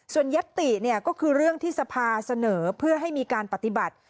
ส่วนยัตติก็คือเรื่องที่สภาเสนอเพื่อให้มีการปฏิบัติ